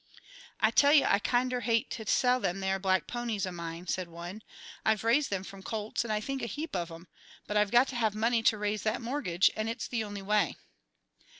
"I tell you I kinder hate to sell them there black ponies o' mine," said one. "I've raised them from colts, and I think a heap of 'em, but I've got to have money to raise that mortgage, and it's the only way."